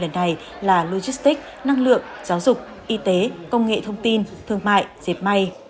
lần này là logistics năng lượng giáo dục y tế công nghệ thông tin thương mại dệt may